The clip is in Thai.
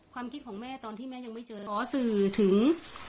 ความคิดของแม่ตอนที่แม่ยังไม่เจอขอสื่อถึง